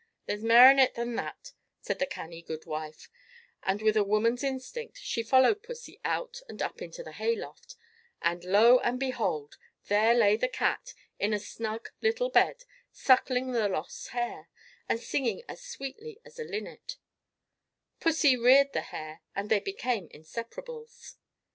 "There's mair in it than that," said the canny goodwife; and, with a woman's instinct, she followed pussy out and up into the hay loft; and, lo and behold! there lay the cat, in a snug little bed, suckling the lost hare, and singing as sweetly as a linnet. Pussy reared the hare, and they became inseparables.